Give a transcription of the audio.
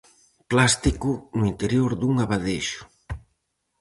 Plástico no interior dun abadexo.